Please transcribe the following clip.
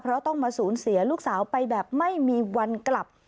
เพราะต้องมาสูญเสียลูกสาวไปแบบไม่มีวันกลับ